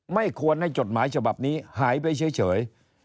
ไม่ควรให้จดหมายฉบับนี้หายไปเฉย